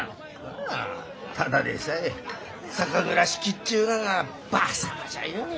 ただでさえ酒蔵仕切っちゅうががばあ様じゃゆうに。